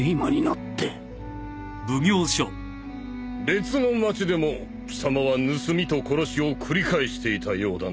別の町でも貴様は盗みと殺しを繰り返していたようだな。